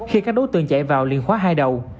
khi các đối tượng chạy vào liền khóa hai đầu